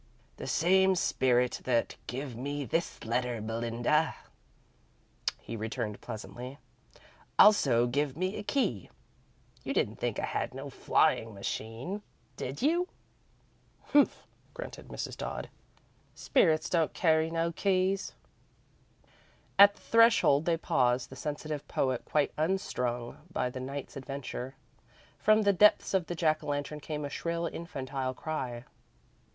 "The same spirit that give me the letter, Belinda," he returned, pleasantly, "also give me a key. You didn't think I had no flyin' machine, did you?" "Humph" grunted Mrs. Dodd. "Spirits don't carry no keys!" At the threshold they paused, the sensitive poet quite unstrung by the night's adventure. From the depths of the Jack o' Lantern came a shrill, infantile cry.